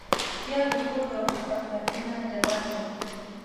پیاز د کور پخلنځي نه جلا نه دی